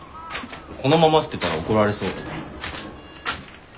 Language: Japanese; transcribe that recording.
このまま捨てたら怒られそうよね。